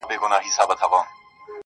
• دا ستا خبري او ښكنځاوي گراني .